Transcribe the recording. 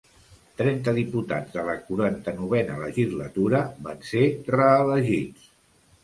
Trenta diputats de la quaranta-novena legislatura van ser reelegits.